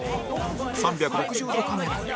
３６０度カメラで